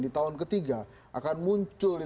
di tahun ke tiga akan muncul